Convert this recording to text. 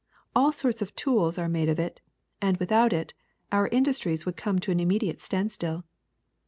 All sorts of tools are made of it, and without it our in dustries would come to an immediate standstill.''